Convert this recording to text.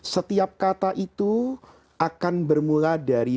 setiap kata itu akan bermula dari